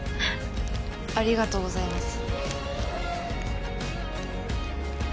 ありがとうございます。